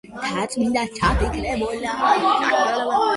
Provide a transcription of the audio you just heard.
მთაწმინდა ჩაფიქრებულა, შეჰყურებს ცისკრის ვარსკვლავსა.